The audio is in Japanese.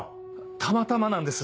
たまたまなんです。